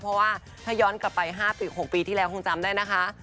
เพราะว่าถ้าย้อนกลับไป๕ปี๖ปีที่แล้วคงจำได้นะคะ